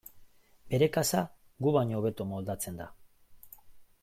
Bere kasa gu baino hobeto moldatzen da.